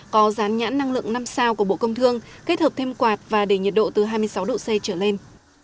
có rán nhãn năng lượng năm sao của bộ công thương kết hợp thêm quạt và để nhiệt độ từ hai mươi sáu độ c trở lên